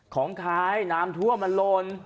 ของท้ายน้ำท่วมมันลน